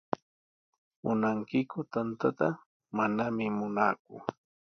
¿Munankiku tantata? Manami munaaku.